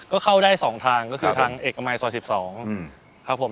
ก็เข้าได้๒ทางก็คือทางเอกมายซอส๑๒